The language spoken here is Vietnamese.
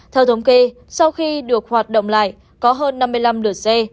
theo thống kê sau khi được hoạt động lại có hơn năm mươi năm lượt xe